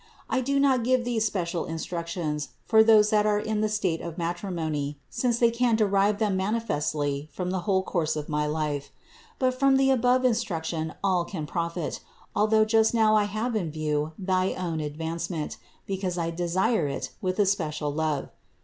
I do not give thee special instruc tions for those that are in the state of matrimony, since they can derive them manifestly from the whole course of my life. But from the above instruction all can profit, although just now I have in view thy own advancement, because I desire it with especial love.